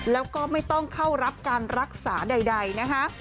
แล้วก็ไม่ต้องเข้ารับการรักษาใดนะคะ